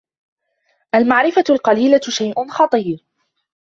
المعرفة القليلة شيء خطير.